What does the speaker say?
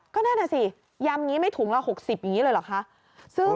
ก็แน่นอนสิยำนี้ไม่ถุงละ๖๐บาทอย่างนี้เลยหรือคะ